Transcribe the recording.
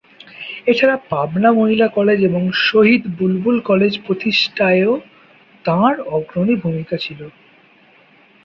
এ ছাড়া পাবনা মহিলা কলেজ এবং শহীদ বুলবুল কলেজ প্রতিষ্ঠায়ও তাঁর অগ্রনী ভূমিকা ছিল।